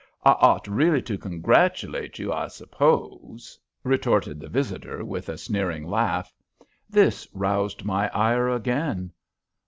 I ought really to congratulate you, I suppose," retorted the visitor, with a sneering laugh. This roused my ire again.